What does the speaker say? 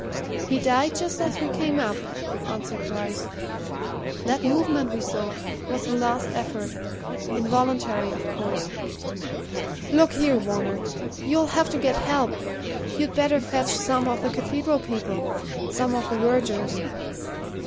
"He died just as we came up," answered Bryce. "That movement we saw was the last effort involuntary, of course. Look here, Varner! you'll have to get help. You'd better fetch some of the cathedral people some of the vergers.